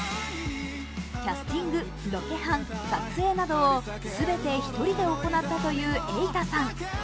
キャスティング、ロケハン、撮影などを全て１人で行ったという瑛太さん。